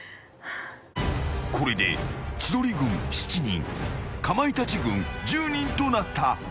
これで千鳥軍７人かまいたち軍１０人となった。